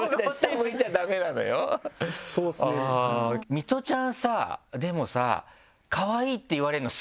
ミトちゃんさでもさ。